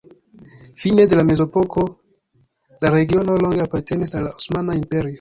Fine de la mezepoko la regiono longe apartenis al la Osmana Imperio.